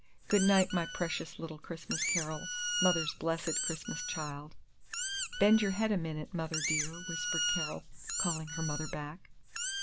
"Good night, my precious little Christmas Carol mother's blessed Christmas child." "Bend your head a minute, mother dear," whispered Carol, calling her mother back.